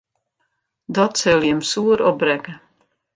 Dat sil jim soer opbrekke.